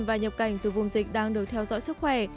và nhập cảnh từ vùng dịch đang được theo dõi sức khỏe